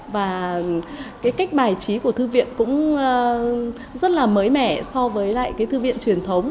và cái cách bài trí của thư viện cũng rất là mới mẻ so với lại cái thư viện truyền thống